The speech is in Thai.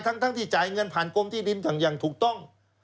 ทั้งที่จ่ายเงินผ่านกรมที่ดินอย่างถูกต้อง